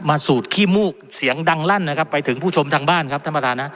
สูดขี้มูกเสียงดังลั่นนะครับไปถึงผู้ชมทางบ้านครับท่านประธานฮะ